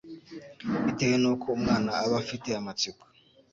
bitewe n'uko umwana aba afite amatsiko